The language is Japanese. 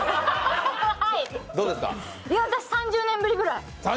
私、３０年ぶりぐらい。